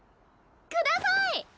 ください！